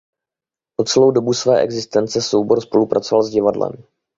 Po celou dobu své existence soubor spolupracoval s divadlem.